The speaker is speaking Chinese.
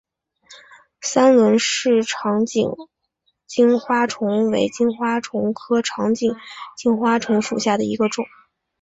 三轮氏长颈金花虫为金花虫科长颈金花虫属下的一个种。